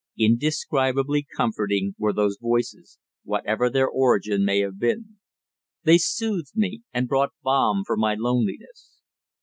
Indescribably comforting were those voices, whatever their origin may have been. They soothed me, and brought balm for my loneliness.